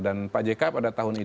dan pak jk pada tahun itu